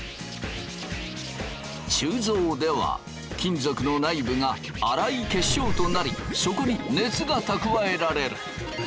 鋳造では金属の内部が粗い結晶となりそこに熱が蓄えられる。